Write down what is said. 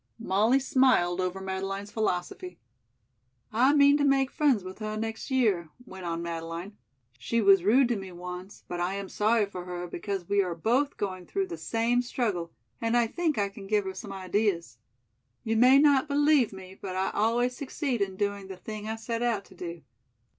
Molly smiled over Madeleine's philosophy. "I mean to make friends with her next year," went on Madeleine. "She was rude to me once, but I am sorry for her because we are both going through the same struggle and I think I can give her some ideas. You may not believe me, but I always succeed in doing the thing I set out to do.